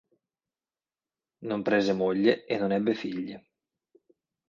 Non prese moglie e non ebbe figli.